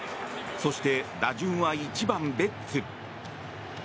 そして打順は１番、ベッツ。